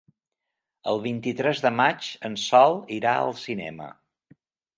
El vint-i-tres de maig en Sol irà al cinema.